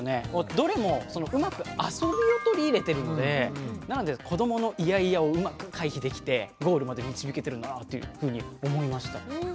どれもうまくあそびを取り入れてるのでなので子どものイヤイヤをうまく回避できてゴールまで導けてるなっていうふうに思いました。